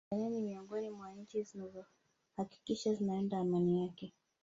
Tanzania ni miongoni mwa Nchi zinazo hakikisha zinalinda Amani yake